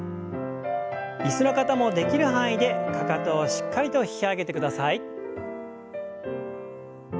椅子の方もできる範囲でかかとをしっかりと引き上げてください。